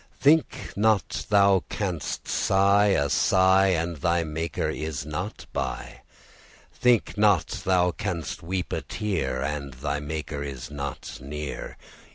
Think not thou canst sigh a sigh, And thy Maker is not by: Think not thou canst weep a tear, And thy Maker is not near.